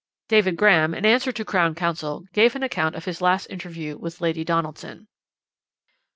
"David Graham, in answer to Crown Counsel, gave an account of his last interview with Lady Donaldson.